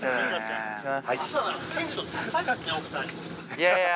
いやいや。